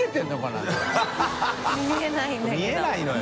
見えないのよ。